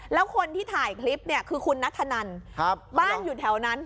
แล้วคนที่ถ่ายคลิปเนี่ยคือคุณนัทธนันบ้านอยู่แถวนั้น